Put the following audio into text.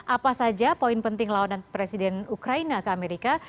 apa saja poin penting lawanan presiden ukraina ke amerika